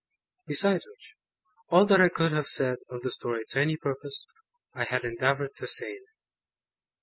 Besides which, all that I could have said of the Story to any purpose, I had endeavoured to say in it.